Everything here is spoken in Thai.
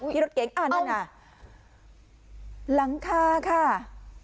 ที่รถเก๋งนั่นอ่ะหลังคาค่ะเอ้า